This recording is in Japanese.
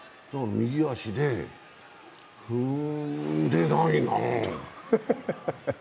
右足で、踏んでないな。